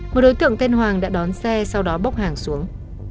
một đối tượng tên hoàng đã đón xe sau đó bốc hàng xuống